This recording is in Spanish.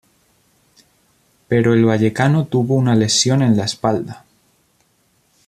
Pero el vallecano tuvo una lesión en la espalda.